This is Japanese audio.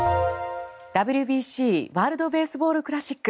ＷＢＣ＝ワールド・ベースボール・クラシック。